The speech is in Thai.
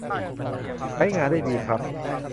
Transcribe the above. ใช้งานได้ดีครับ